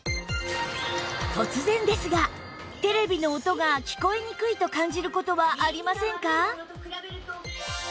突然ですがテレビの音が聞こえにくいと感じる事はありませんか？